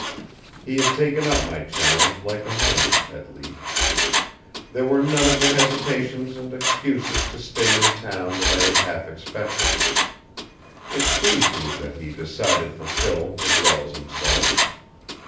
He had taken up my challenge like a man, at least. There were none of the hesitations and excuses to stay in town that I had half expected. It pleased me that he decided for Phil as well as himself.